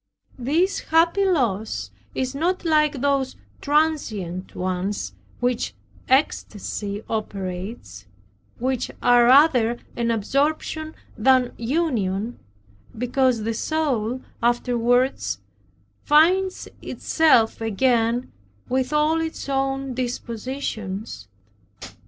This happy loss is not like those transient ones which ecstacy operates, which are rather an absorption than union because the soul afterwards finds itself again with all its own dispositions.